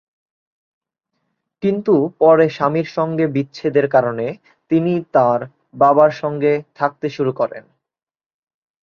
কিন্তু পরে স্বামীর সঙ্গে বিচ্ছেদের কারণে তিনি তাঁর বাবার সঙ্গে থাকতে শুরু করেন।